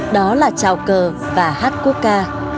đó là trào cờ và hát cuốc ca